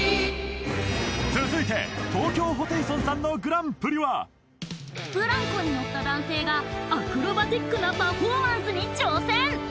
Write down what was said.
続いてブランコに乗った男性がアクロバティックなパフォーマンスに挑戦